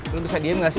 lo bisa diem gak sih